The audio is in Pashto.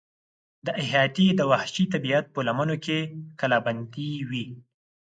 دا احاطې د وحشي طبیعت په لمنو کې کلابندې وې.